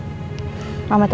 mama temenin ya